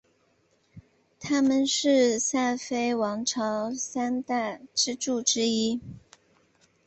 他们是萨非王朝三大支柱之一。